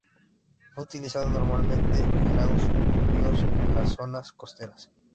Fue utilizado normalmente en lagos, ríos o en las zonas costeras.